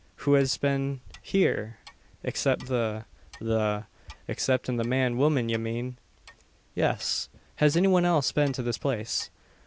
"Who has been heeur?" "Except the the " "Exceptin' the man wuman, ye mane?" "Yes. Has any one else been to this place?"